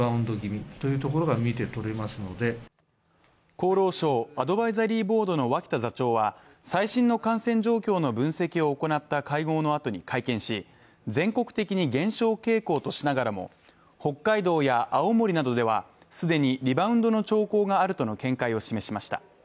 厚労省アドバイザリーボードの脇田座長は最新の感染状況の分析を行った会合のあとに会見し全国的に減少傾向としながらも北海道や青森などでは既にリバウンドの兆候があるとの見解を示しました。